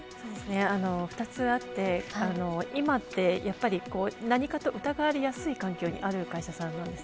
２つあって今って、やっぱり何かと疑われやすい環境にある会社なんです。